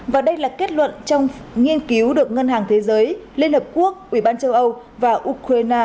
và đây là kết luận trong nghiên cứu được ngân hàng thế giới liên hợp quốc ubnd và ukraine